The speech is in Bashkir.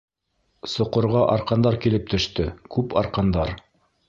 Соҡорға арҡандар килеп төштө, күп арҡандар.